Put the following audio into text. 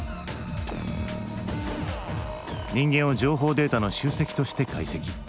人間を情報データの集積として解析。